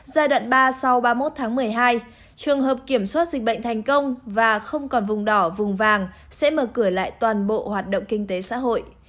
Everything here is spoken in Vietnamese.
giai đoạn ba sau ba mươi một tháng một mươi hai trường hợp kiểm soát dịch bệnh thành công và không còn vùng đỏ vùng vàng sẽ mở cửa lại toàn bộ hoạt động kinh tế xã hội